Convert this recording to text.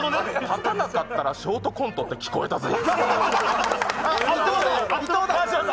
立たなかったらショートコントって聞こえたぜ？